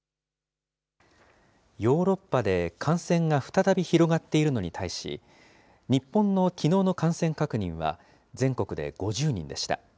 ヨーロッパで感染が再び広がっているのに対し、日本のきのうの感染確認は全国で５０人でした。